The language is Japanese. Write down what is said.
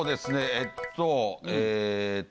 えっとえっと